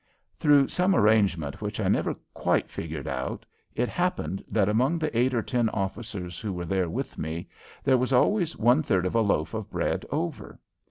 Through some arrangement which I never quite figured out, it happened that among the eight or ten officers who were there with me there was always one third of a loaf of bread over.